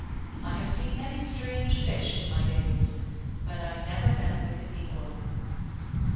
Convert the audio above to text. I have seen many strange fish in my days, but I never met with his equal."